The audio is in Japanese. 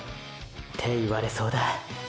て言われそうだ！！